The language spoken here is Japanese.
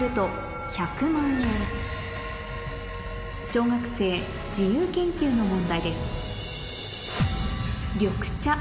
小学生自由研究の問題です